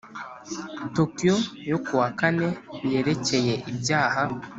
Tokyo yo ku wa kane yerekeye ibyaha